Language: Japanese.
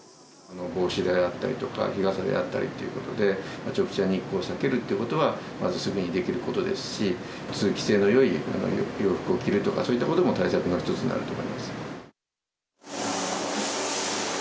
帽子であったり日傘であったりということで直射日光を避けるということはすぐにできることですし通気性の良い洋服を着るとかそういったことも対策の１つになると思います。